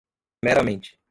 meramente